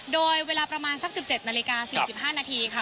โดยเวลาประมาณสัก๑๗นาฬิกา๔๕นาทีค่ะ